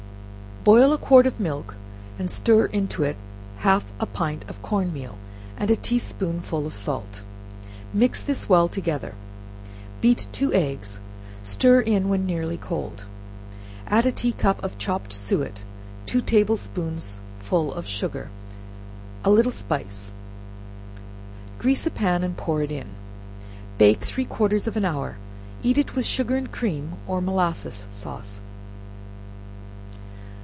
Boil a quart of milk, and stir into it half a pint of corn meal and a tea spoonful of salt mix this well together; beat two eggs, stir in when nearly cold; add a tea cup of chopped suet, two table spoonsful of sugar, a little spice grease a pan, and pour it in; bake three quarters of an hour. Eat it with sugar and cream, or molasses sauce.